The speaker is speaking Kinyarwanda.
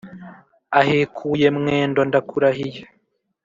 ahekuye mwendo ndakurahiye